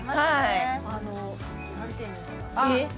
はい何て言うんですか？